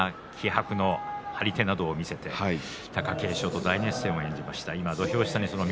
今度は翠富士が気迫の張り手などを見せて貴景勝と大熱戦を演じました。